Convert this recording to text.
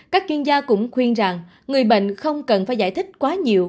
các chuyên gia cũng khuyên rằng người bệnh không cần phải giải thích quá nhiều